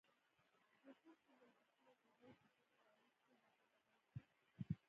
زبېښونکي بنسټونه کېدای شي پر پرانیستو هغو بدل شي.